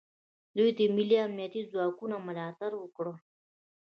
دوی د ملي امنیتي ځواکونو ملاتړ وکړ